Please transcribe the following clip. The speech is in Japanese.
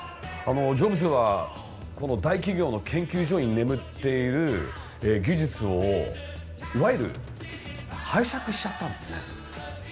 ジョブズは大企業の研究所に眠っている技術をいわゆる拝借しちゃったんですね。